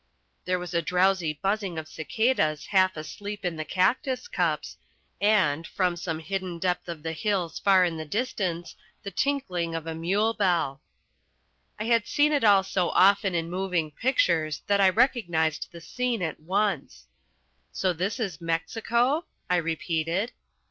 There was a drowsy buzzing of cicadas half asleep in the cactus cups, and, from some hidden depth of the hills far in the distance, the tinkling of a mule bell. I had seen it all so often in moving pictures that I recognised the scene at once. "So this is Mexico?" I repeated.